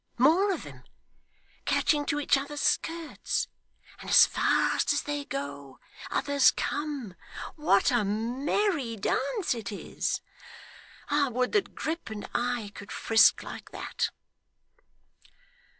More of 'em! catching to each other's skirts; and as fast as they go, others come! What a merry dance it is! I would that Grip and I could frisk like that!